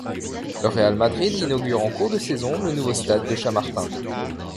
Le Real Madrid inaugure en cours de saison le nouveau stade de Chamartín.